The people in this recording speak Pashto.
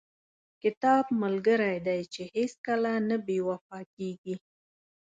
• کتاب ملګری دی چې هیڅکله نه بې وفا کېږي.